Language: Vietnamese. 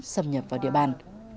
xâm nhập vào địa bàn